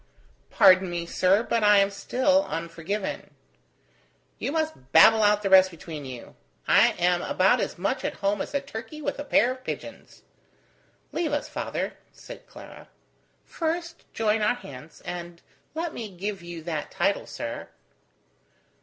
"Pardon me, sir, but I am still unforgiven." "You must babble out the rest between you. I am about as much at home as a turkey with a pair of pigeons." "Leave us, father," said Clara. "First join our hands, and let me give you that title, sir."